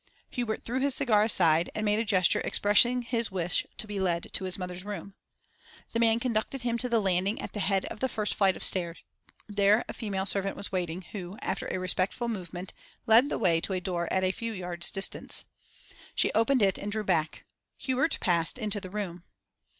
Hubert threw his cigar aside, and made a gesture expressing his wish to be led to his mother's room. The man conducted him to the landing at the head of the first flight of stairs; there a female servant was waiting, who, after a respectful movement, led the way to a door at a few yards' distance. She opened it and drew back. Hubert passed into the room.